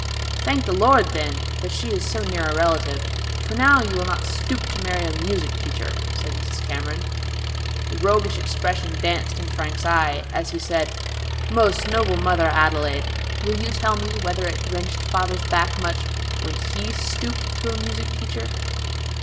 "Thank the Lord, then, that she is so near a relative! For now you will not stoop to marry a music teacher," said Mrs. Cameron. The old roguish expression danced in Frank's eye, as he said, "Most noble mother Adelaide, will you tell me whether it wrenched father's back much when he stooped to a music teacher?"